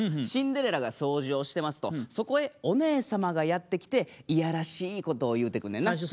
シンデレラが掃除をしてますとそこへおねえ様がやって来て嫌らしいことを言うてくんねんな。